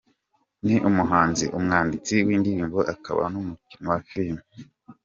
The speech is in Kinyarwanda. Ni umuhanzi, umwanditsi w’indirimbo akaba n’umukinnyi wa filime.